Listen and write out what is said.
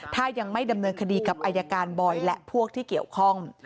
ถ้ายังไม่ดำเนินคดีกับอายการบอยและพวกที่เกี่ยวข้อง